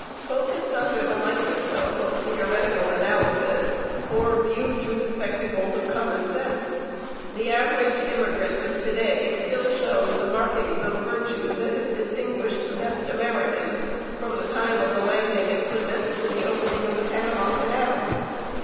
Focused under the microscope of theoretical analysis, or viewed through the spectacles of common sense, the average immigrant of to day still shows the markings of virtue that have distinguished the best Americans from the time of the landing at Plymouth to the opening of the Panama Canal.